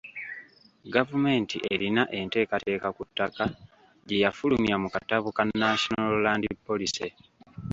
Gavumenti erina enteekateeka ku ttaka gye yafulumya mu katabo ka National Land Policy.